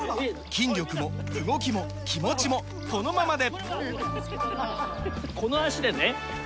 筋力も動きも気持ちもこのままで！